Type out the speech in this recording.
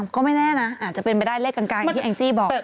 ก็ไม่แน่นะอาจจะเป็นไปได้เลขกันไกลอย่างที่แองจี้บอก